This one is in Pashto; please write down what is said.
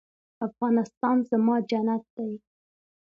افغانستان زما جنت دی